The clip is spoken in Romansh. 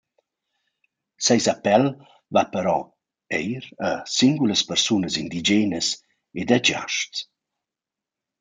Seis appel va però eir a singulas persunas indigenas ed a giasts.